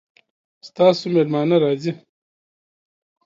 ستاسو میلمانه راځي؟